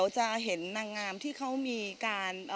จะก็ไม่ได้ค่ะ